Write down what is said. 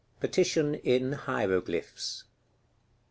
Petition in Hieroglyphs.